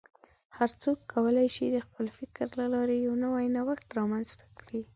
هر څوک کولی شي د خپل فکر له لارې یو نوی نوښت رامنځته کړي.